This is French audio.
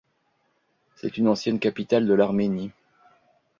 C'est une ancienne capitale de l'Arménie.